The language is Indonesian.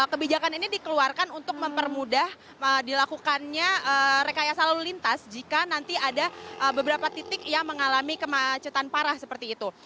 kebijakan ini dikeluarkan untuk mempermudah dilakukannya rekayasa lalu lintas jika nanti ada beberapa titik yang mengalami kemacetan parah seperti itu